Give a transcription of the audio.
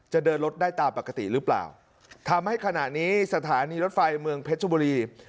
เดินรถได้ตามปกติหรือเปล่าทำให้ขณะนี้สถานีรถไฟเมืองเพชรบุรี